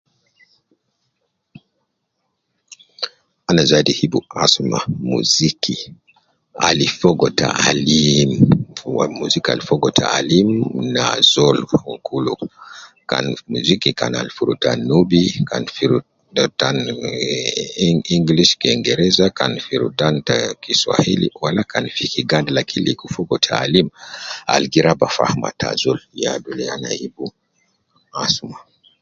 Ana zaidi hibu asma muziki ali fogo taalim, fuwa muziki al fogo taalim na azol, fogo kul kan muziki kan al fi rutan nubi, kan fi rutan ehh english kingereza kan fi rutan te kiswahili wala kan fi kiganda lakin kan ligo fogo taalim al gi raba fahma ta azol ,ya dole anahibu asma